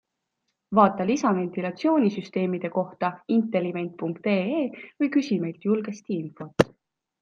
Vaata lisa ventilatsioonisüsteemide kohta intelivent.ee või küsi meilt julgesti infot.